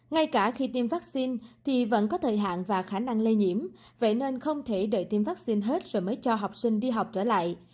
ngay cả khi tiêm vaccine thì vẫn có thời hạn và khả năng lây nhiễm vậy nên không thể đợi tiêm vaccine hết rồi mới cho học sinh đi học trở lại